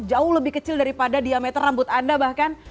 jauh lebih kecil daripada diameter rambut anda bahkan